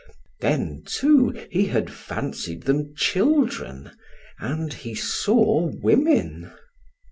Then, too, he had fancied them children, and he saw women.